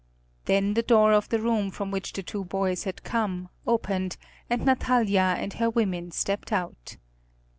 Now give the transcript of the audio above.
Then the door of the room from which the two boys had come opened, and Natalia and her women stepped out.